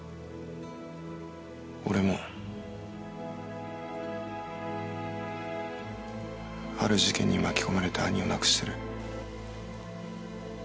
俺もある事件に巻き込まれて兄を亡くしてる。